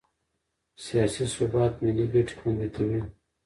سیاسي ثبات ملي ګټې خوندي کوي